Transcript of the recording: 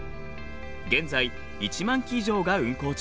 現在１万機以上が運航中。